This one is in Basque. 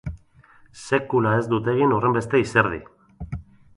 Sekula ez dut egin horrenbeste izerdi!